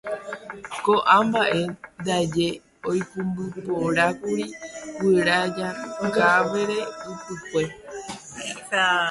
Ko'ã mba'e ndaje oikũmbyporãkuri guyra Jakavere Ypykue